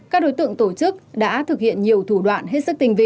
các đối tượng tổ chức đã thực hiện nhiều thủ đoạn hết sức tinh vi